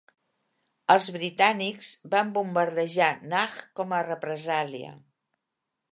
Els britànics van bombardejar Najd com a represàlia.